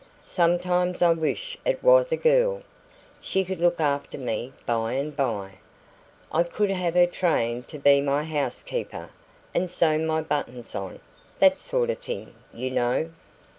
"Sometimes I wish it was a girl. She could look after me by and by; I could have her trained to be my housekeeper, and sew my buttons on that sort of thing, you know."